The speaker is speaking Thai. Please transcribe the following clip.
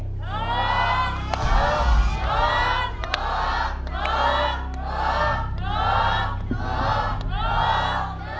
หูะ